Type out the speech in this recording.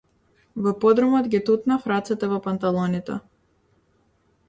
Во подрумот ги тутнав рацете во панталоните.